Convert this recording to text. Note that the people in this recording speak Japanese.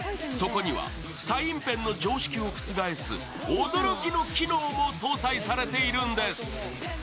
そこにはサインペンの常識を覆す驚きの機能も搭載されているんです。